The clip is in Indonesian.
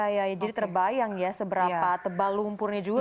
iya jadi terbayang ya seberapa tebal lumpurnya juga